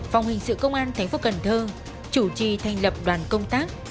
phòng hình sự công an thành phố cần thơ chủ trì thành lập đoàn công tác